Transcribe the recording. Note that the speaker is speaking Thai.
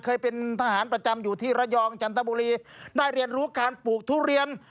เคยเป็นทหารประจำอยู่ที่ระยองจันทบุรีได้เรียนรู้การปลูกทุเรียน